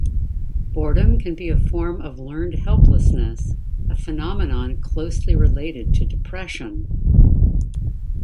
Boredom can be a form of learned helplessness, a phenomenon closely related to depression.